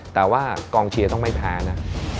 แต่ว่ากองเชียร์ต้องไม่แพ้นะ